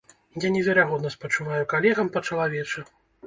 Я неверагодна спачуваю калегам па-чалавечы.